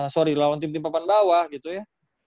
sorry lawan tim tim papan bawah gitu ya